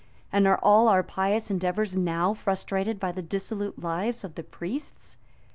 And are all our pious endeavors now frustrated by the dissolute lives of the priests?